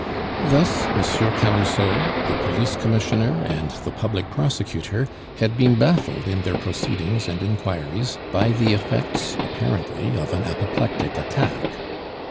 Thus Monsieur Camusot, the police commissioner, and the public prosecutor had been baffled in their proceedings and inquiries by the effects apparently of an apoplectic attack.